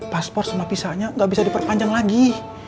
paspor sama pisahnya gak bisa diperpanjang lagi